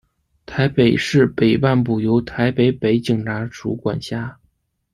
台北市北半部由台北北警察署管辖。